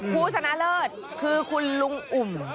ผู้ชนะเลิศคือคุณลุงอุ่ม